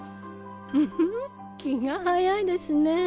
うふっ気が早いですね。